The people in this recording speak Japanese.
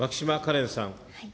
牧島かれんさん。